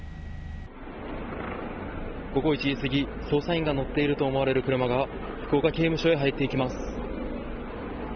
午後１時過ぎ、捜査員が乗っていると思われる車が、福岡刑務所へ入っていきます。